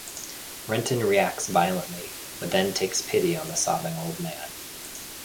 Renton reacts violently, but then takes pity on the sobbing old man.